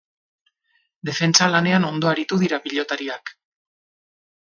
Defentsa lanean ondo aritu dira pilotariak.